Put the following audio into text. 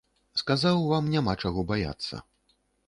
Сказаў, вам няма чаго баяцца.